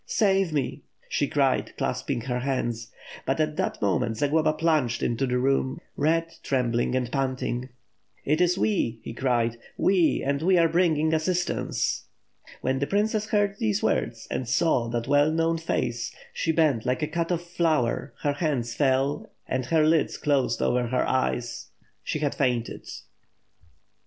"Save me," she cried, clasping her hands. But at that moment Zagloba plunged into the room, red, trembling, and panting. "It is we," he cried, "we, and we are bringing assistance!" When the princess heard these words and saw that well known face she bent like a cut oflf flower, her hands fell and her lids closed over her eyes. She had fainted.